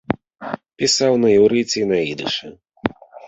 Пісаў на іўрыце і на ідышы.